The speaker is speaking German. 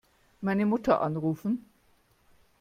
Meine Mutter anrufen.